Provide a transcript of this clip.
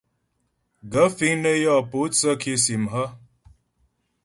Gaə̂ fíŋ nə́ yɔ pótsə́ kìsìm hə̀ ?